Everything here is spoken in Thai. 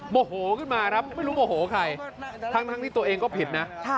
โมโหขึ้นมาครับไม่รู้โมโหใครทั้งที่ตัวเองก็ผิดนะ